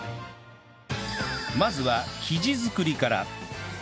まずは生地作りから